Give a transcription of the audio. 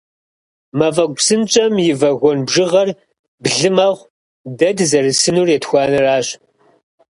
Мафӏэгу псынщӏэм и вагон бжьыгъэр блы мэхъу, дэ дызэрысынур етхуанэращ.